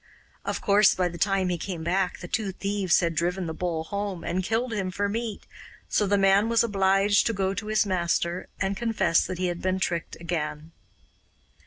Of course by the time he came back the two thieves had driven the bull home and killed him for meat, so the man was obliged to go to his master and confess that he had been tricked again.